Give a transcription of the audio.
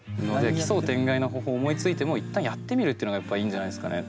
奇想天外な方法を思いついても一旦やってみるっていうのがやっぱいいんじゃないですかね。